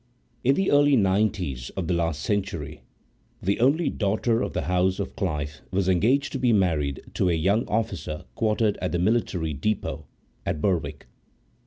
In the early nineties of the last century, the only daughter of the house of Clyffe was engaged to be married to a young officer quartered at the military depot at Berwick.